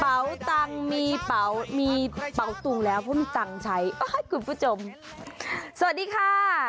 เป๋าตังค์มีเป๋าตุงแล้วเพิ่มตังค์ใช้คุณผู้ชมสวัสดีค่ะ